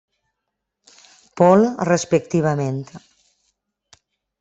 Paul respectivament.